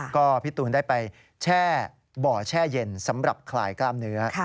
ก็พี่ตูนได้ไปแช่บ่อแช่เย็นสำหรับคลายกล้ามเนื้อ